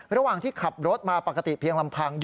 ระหว่างที่ขับรถมาปกติเพียงลำพัง